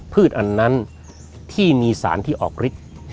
อันนั้นที่มีสารที่ออกฤทธิ์